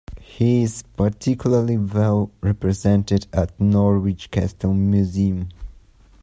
He is particularly well represented at Norwich Castle Museum.